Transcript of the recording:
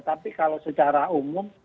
tapi kalau secara umum